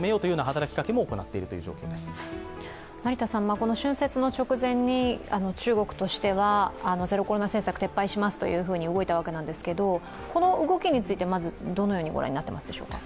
この春節の直前に中国としてはゼロコロナ政策撤廃しますと動いたわけですけど、この動きについて、まずどのようにご覧になっていますか？